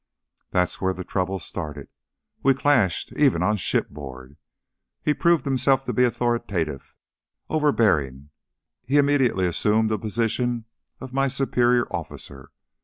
"That's where the trouble started. We clashed, even on shipboard. He proved himself to be authoritative, overbearing; he immediately assumed the position of my superior officer.